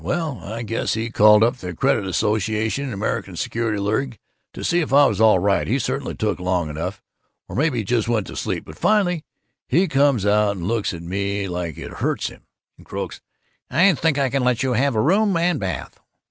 Well, I guess he called up the Credit Association and the American Security League to see if I was all right he certainly took long enough or maybe he just went to sleep; but finally he comes out and looks at me like it hurts him, and croaks, 'I think I can let you have a room with bath.